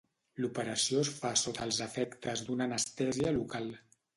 L'operació es fa sota els efectes d'una anestèsia local.